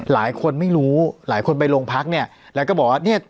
หลายคนไม่รู้หลายคนไปโรงพักเนี่ยแล้วก็บอกว่าเนี่ย